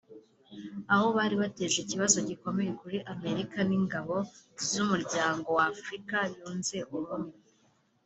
aho bari bateje ikibazo gikomeye kuri Amerika n’ingabo z’Umuryango wa Afurika Yunze Ubumwe